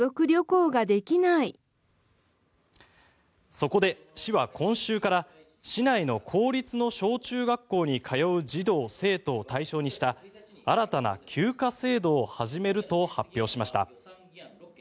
そこで市は今週から市内の公立の小中学校に通う児童生徒を対象にした新たな休暇制度を始めると発表しました。